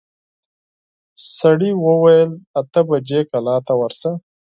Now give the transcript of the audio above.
سړي وويل اته بجې کلا ته ورسه.